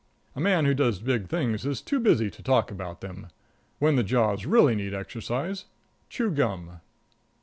A man who does big things is too busy to talk about them. When the jaws really need exercise, chew gum.